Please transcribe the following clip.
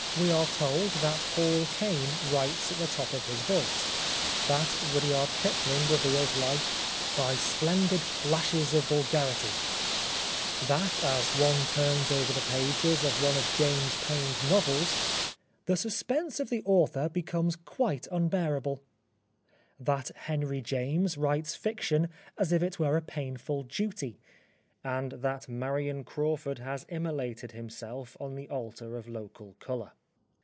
We are told that Hall Caine writes at the top of his voice ; that Rudyard Kipling reveals life " by splendid flashes of vulgarity "; that as one turns over the pages of one of James Payn's novels, " the suspense of the author becomes quite unbearable "; that Henry James writes fiction as if it were a painful duty ; and that Marion Crawford has immolated himself on the altar of local colour.